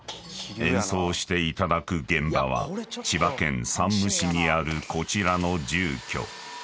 ［演奏していただく現場は千葉県山武市にあるこちらの住居］